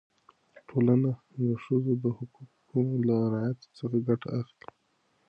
ټولنه د ښځو د حقونو له رعایت څخه ګټه اخلي.